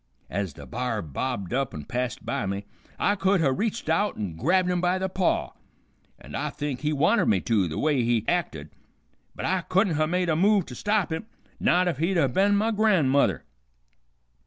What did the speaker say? Ez the b'ar bobbed up and passed by me I could ha' reached out an' grabbed him by the paw, an' I think he wanted me to, the way he acted, but I couldn't ha' made a move to stop him, not if he'd ha' ben my gran'mother.